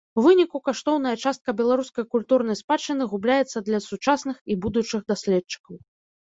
У выніку, каштоўная частка беларускай культурнай спадчыны губляецца для сучасных і будучых даследчыкаў.